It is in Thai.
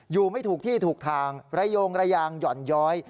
อยู่ไม่ถูกที่ถูกทางไรโยงไรยางหย่อนย้อย